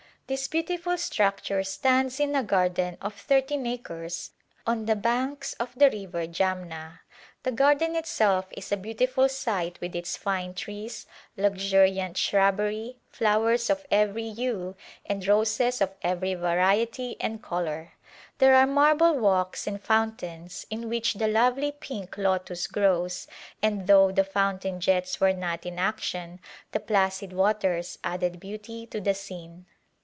This beautiful structure stands in a garden of thir teen acres on the banks of the River Jamna. The garden itself is a beautiful sight with its fine trees, lux uriant shrubbery, flowers of every hue and roses of every variety and color. There are marble walks and fountains in which the lovely pink lotus grows, and though the fountain jets were not in action the placid waters added beauty to the scene.